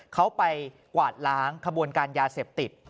เขาไปกวาดล้างขบวนการยาเสพติด